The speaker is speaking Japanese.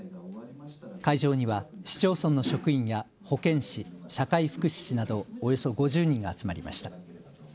会場には市町村の職員や保健師、社会福祉士などおよそ５０人が集まりました。